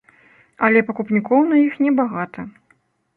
Але пакупнікоў на іх небагата.